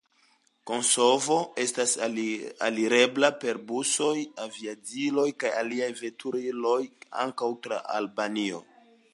Kosovo estas alirebla per busoj, aviadiloj kaj aliaj veturiloj, ankaŭ tra Albanio.